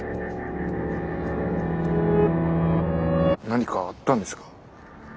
何かあったんですか？